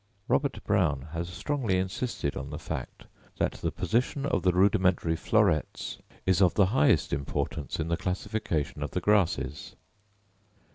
Robert Brown has strongly insisted on the fact that the position of the rudimentary florets is of the highest importance in the classification of the Grasses.